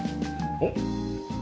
おっ。